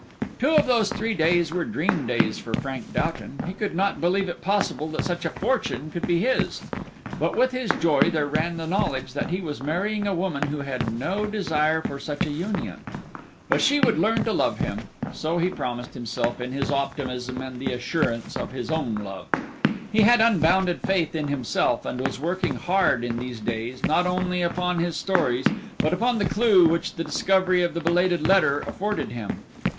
Two of those three days were dream days for Frank Doughton; he could not believe it possible that such a fortune could be his. But with his joy there ran the knowledge that he was marrying a woman who had no desire for such a union. But she would learn to love him; so he promised himself in his optimism and the assurance of his own love. He had unbounded faith in himself, and was working hard in these days, not only upon his stories, but upon the clue which the discovery of the belated letter afforded him.